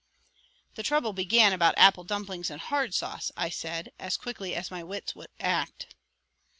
"The trouble began about apple dumplings and hard sauce," I said, as quickly as my wits would act.